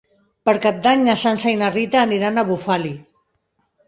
Per Cap d'Any na Sança i na Rita aniran a Bufali.